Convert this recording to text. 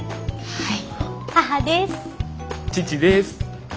はい。